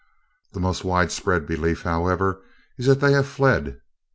The most widespread belief, however, is that they have fled.